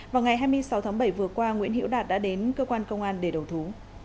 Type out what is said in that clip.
vào ngày hai mươi sáu tháng bảy vừa qua nguyễn hiễu đạt đã đến cơ quan công an để đầu thú